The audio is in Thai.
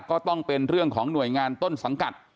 ก็ต้องเป็นเรื่องของหน่วยงานต้นสังกัด